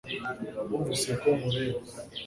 wumvise ko nkureba